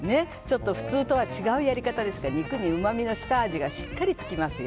普通とは違うやり方ですが肉にうまみの下味がしっかりつきますよ。